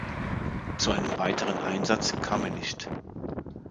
Zu einem weiteren Einsatz kam er nicht.